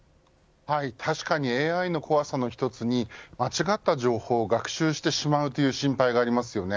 確かにＡＩの怖さの１つに間違った情報を学習してしまうという心配がありますよね。